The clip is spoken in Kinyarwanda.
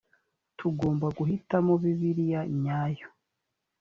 tugomba guhitamo bibiriya nyayo